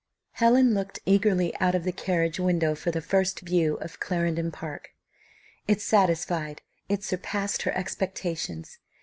Helen looked eagerly out of the carriage window for the first view of Clarendon Park. It satisfied it surpassed her expectations.